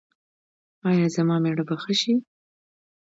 ایا زما میړه به ښه شي؟